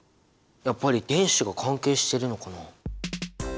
やっぱり電子が関係してるのかな？